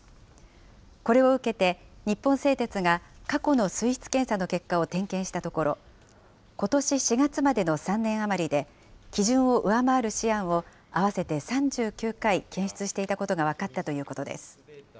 これを受けて、日本製鉄が過去の水質検査の結果を点検したところ、ことし４月までの３年余りで、基準を上回るシアンを合わせて３９回検出していたことが分かったということです。